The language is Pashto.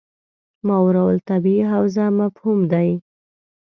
ماورا الطبیعي حوزه مفهوم دی.